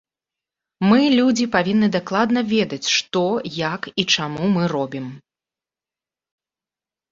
Мы, людзі, павінны дакладна ведаць, што, як і чаму мы робім.